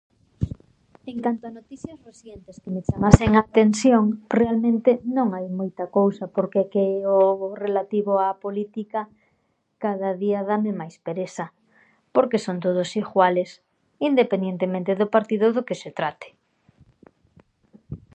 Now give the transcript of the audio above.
En canto a notisias resientes que me chamasen a atensión, realmente, non hai moita cousa porque é que o relativo á política cada día dame máis peresa porque son todos ighuales, independientemente do partido do que se trate.